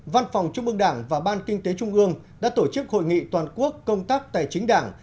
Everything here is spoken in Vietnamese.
văn phòng trung ương đảng và ban kinh tế trung ương đã tổ chức hội nghị toàn quốc công tác tài chính đảng